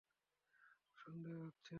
আমার সন্দেহ হচ্ছে।